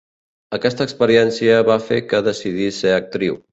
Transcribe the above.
Aquesta experiència va fer que decidís ser actriu.